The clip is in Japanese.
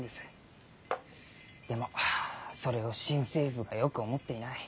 でもそれを新政府がよく思っていない。